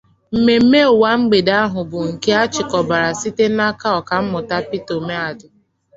Mmemme ụwa mgbede ahụ bụ nke a chịkọbara site n'aka Ọkammụta Peter Umeadị